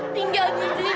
tinggal di sini